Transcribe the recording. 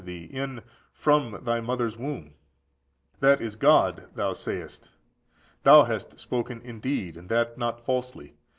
thee in (from) thy mother's womb?14681468 Jer. i. 5. That is God, thou sayest. Thou hast spoken indeed, and that not falsely.